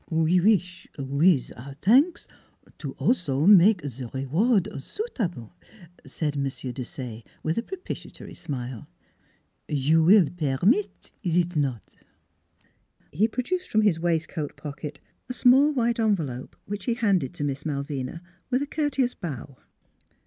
" We wish wiz our t'anks to also make ze reward suitable," said M. Desaye, with a propi tiatory smile, "you will permit is it not?" He produced from his waistcoat pocket a small white envelope which he handed to Miss Mal vina, with a courteous bow.